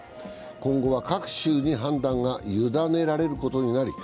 今後は、各州に判断が委ねられることになり